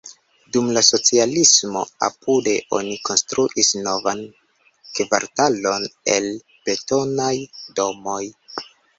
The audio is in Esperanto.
Dum la socialismo apude oni konstruis novan kvartalon el betonaj domoj.